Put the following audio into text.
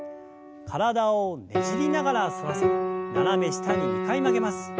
体をねじりながら反らせ斜め下に２回曲げます。